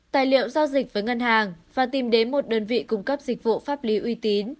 tài liệu giao dịch với ngân hàng và tìm đến một đơn vị cung cấp dịch vụ pháp lý uy tín